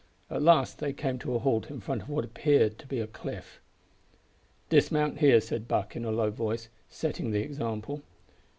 At last they came to a halt in front of what appeared to be a cliff. "Dismount here," said Buck in a low voice, setting the example.